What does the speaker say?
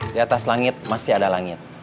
di atas langit masih ada langit